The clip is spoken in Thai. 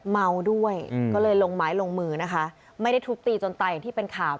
เมาด้วยก็เลยลงไม้ลงมือนะคะไม่ได้ทุบตีจนตายอย่างที่เป็นข่าว